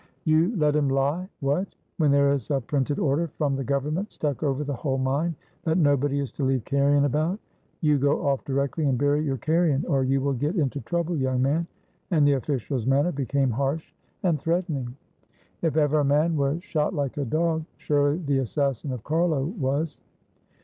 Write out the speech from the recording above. "You let him lie? What, when there is a printed order from the government stuck over the whole mine that nobody is to leave carrion about! You go off directly and bury your carrion or you will get into trouble, young man." And the official's manner became harsh and threatening. If ever a man was "shot like a dog," surely the assassin of Carlo was.